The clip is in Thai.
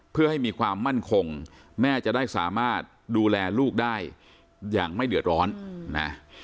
เพื่อให้มีความมั่นคงแม่จะได้สามารถดูแลลูกได้อย่างไม่เดือดร้อนนะ